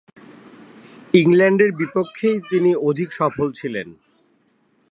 ইংল্যান্ডের বিপক্ষেই তিনি অধিক সফল ছিলেন।